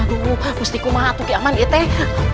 aku harus kembali ke rumah